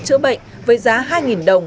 chữa bệnh với giá hai đồng